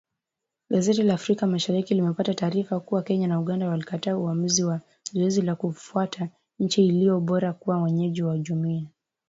Gazeti la Afrika Mashariki limepata taarifa kuwa Kenya na Uganda walikataa uamuzi wa zoezi la kutafuta nchi iliyo bora kuwa mwenyeji wa jumuiya.